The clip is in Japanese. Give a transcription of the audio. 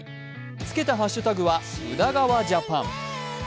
つけたハッシュタグは「宇田川ジャパン」。